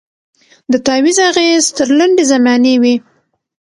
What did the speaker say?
د تعویذ اغېز تر لنډي زمانې وي